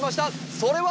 それは？